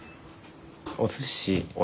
おすしお肉